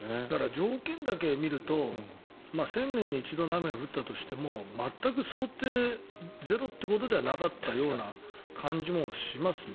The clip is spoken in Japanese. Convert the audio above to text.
条件だけを見ると１０００年に一度の雨が降ったとしても全く想定ゼロということではなかったような感じもしますね。